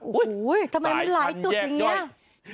โอ้โหทำไมมันหลายจุดอย่างนี้